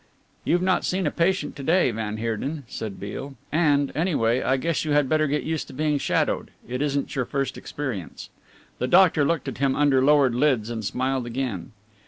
"You've not seen a patient to day, van Heerden," said Beale, "and, anyway, I guess you had better get used to being shadowed. It isn't your first experience." The doctor looked at him under lowered lids and smiled again.